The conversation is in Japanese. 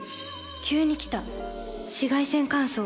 急に来た紫外線乾燥。